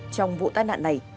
trong vụ tai nạn này